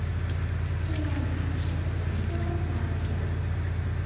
信用卡存雲端發票